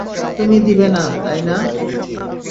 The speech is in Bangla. তুমি দিবে না, তাই না?